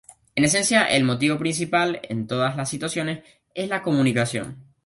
En esencia, el motivo principal, en todas las situaciones, es la comunicación.